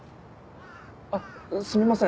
あっすみません。